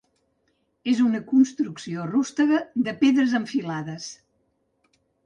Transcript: És una construcció rústega de pedres en filades.